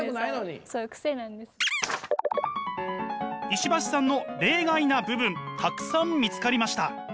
石橋さんの例外な部分たくさん見つかりました。